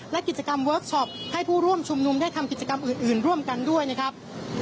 และกิจกรรมเวิร์คชอปให้ผู้ร่วมชุมนุมได้ทำกิจกรรมอื่นร่วมกันด้วยนะครับ